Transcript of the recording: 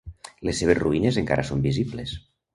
Les seves ruïnes encara són visibles.